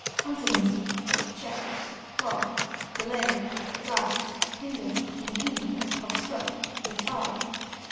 Antonyms: check, clog, delay, drag, hinder, impede, obstruct, retard.